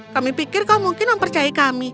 kami pikir kau mungkin mempercayai kami